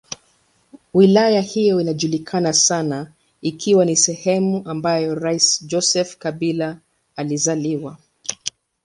Wilaya hiyo inajulikana sana ikiwa ni sehemu ambayo rais Joseph Kabila alizaliwa.